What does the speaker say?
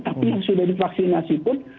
tapi yang sudah divaksinasi pun